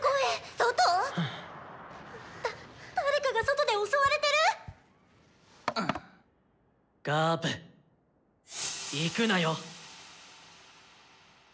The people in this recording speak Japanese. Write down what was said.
外⁉だ誰かが外で襲われてる⁉ガープ行くなよ。